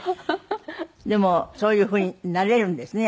でもそういうふうになれるんですね